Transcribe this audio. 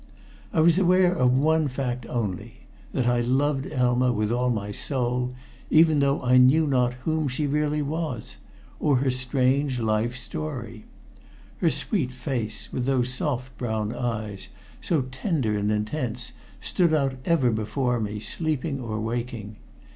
I was aware of one fact only, that I loved Elma with all my soul, even though I knew not whom she really was or her strange life story. Her sweet face, with those soft, brown eyes, so tender and intense, stood out ever before me, sleeping or waking.